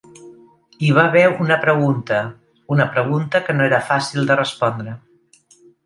Hi va haver una pregunta, una pregunta que no era fàcil de respondre.